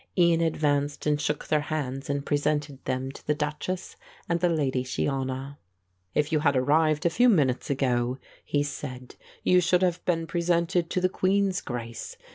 Ian advanced and shook their hands and presented them to the Duchess and the Lady Shiona. "If you had arrived a few minutes ago," he said, "you should have been presented to the Queen's Grace.